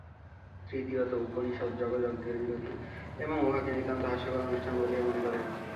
তৃতীয়ত উপনিষদ যাগযজ্ঞের বিরোধী এবং উহাকে নিতান্ত হাস্যকর অনুষ্ঠান বলিয়া মনে করেন।